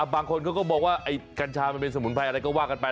บางคนเขาก็มองว่าไอ้กัญชามันเป็นสมุนไพรอะไรก็ว่ากันไป